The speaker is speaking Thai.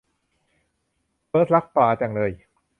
เฟิสท์รักปลาจังเลย